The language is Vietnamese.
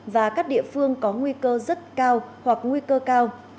và các địa phương có nguy cơ rất cao hoặc nguy cơ cao